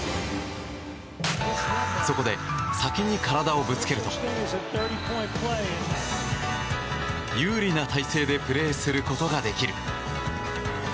そこで、先に体をぶつけると有利な体勢でプレーすることができる。